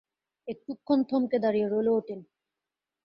একটুক্ষণ থমকে দাঁড়িয়ে রইল অতীন।